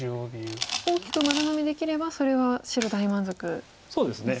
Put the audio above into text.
大きく丸のみできればそれは白大満足ですか。